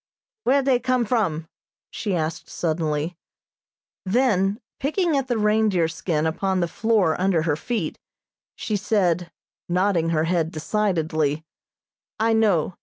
"Where they come from?" she asked suddenly. Then, picking at the reindeer skin upon the floor under her feet, she said, nodding her head decidedly, "I know.